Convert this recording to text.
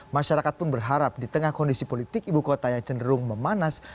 masyarakat pun berharap di tengah kondisi politik ibu kota yang cenderung memanas